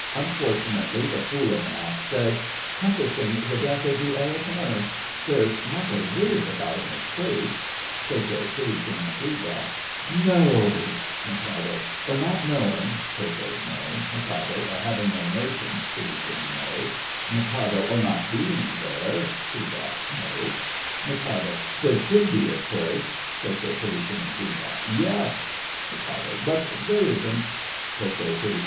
Unfortunately, the fool of an Act says "compassing the death of the Heir Apparent." There's not a word about a mistake—— KO., PITTI., and POOH. No! MIK. Or not knowing—— KO. No! MIK. Or having no notion—— PITTI. No! MIK. Or not being there—— POOH. No! MIK. There should be, of course— KO., PITTI., and POOH. Yes! MIK. But there isn't. KO., PITTI.